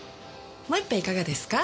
もう１杯いかがですか？